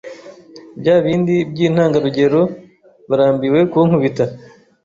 bya bindi by’intangarugero, barambiwe kunkubita